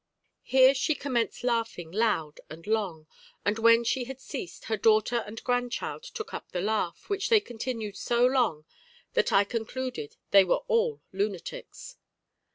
Here she commenced laughing loud and long; and when she had ceased, her daughter and grandchild took up the laugh, which they continued so long that I concluded they were all lunatics.